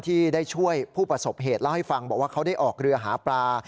ที่ได้ช่วยผู้ประสบเหตุเล่าให้ฟังบอกว่าเขาได้ออกเรือหาปลา